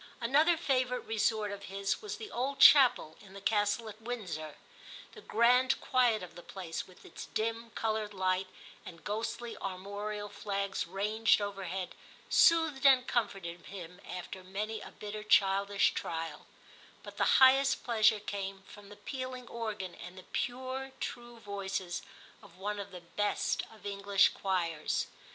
Another favourite resort of his was the old chapel in the Castle at Windsor: the grand quiet of the place, with its dim, coloured light and ghostly armorial flags ranged over head, soothed and comforted him after many a bitter childish trial ; but the highest pleasure came from the pealing organ and the pure true voices of one of the best of English choirs.